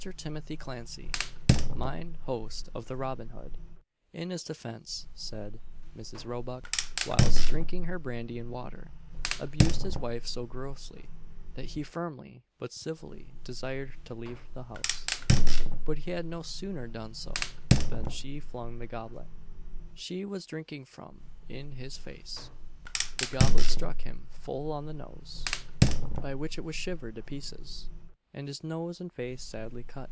Timothy Clancey, mine host of the Robin Hood, in his defence, said, Mrs. Roebuck, whilst drinking her brandy and water, abused his wife so grossly, that he firmly, but civilly, desired her to leave the house; but he had no sooner done so, than she flung the goblet, she was drinking from, in his face. The goblet struck him full on the nose, by which it was shivered to pieces, and his nose and face sadly cut.